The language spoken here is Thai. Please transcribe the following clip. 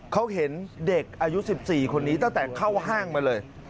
เขาเห็นเด็กอายุ๑๔คนนี้ตั้งแต่เข้าห้างมาเลย